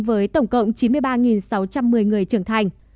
với tổng cộng chín mươi ba sáu trăm một mươi người trưởng thành